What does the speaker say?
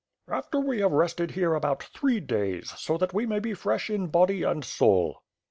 "After we have rested here about three days, so that we may be fresh in body and soul."